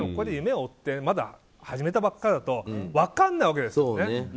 でも夢を追ってまだ始めたばっかだと分かんないわけですよね。